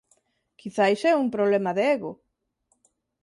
Quizais é un problema de ego.